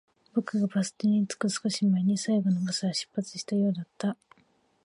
僕がバス停に着く少し前に、最後のバスは出発したようだった